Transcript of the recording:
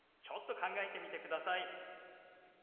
ちょっと考えてみてください。